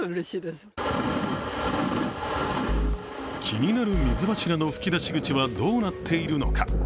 気になる水柱の噴き出し口はどうなっているのか。